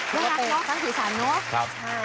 มันยากเนอะทั้งสีสันน๊ะ